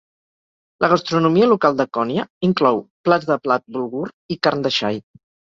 La gastronomia local de Konya inclou plats de blat bulgur i carn de xai.